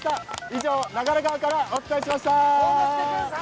以上、長良川からお伝えしました。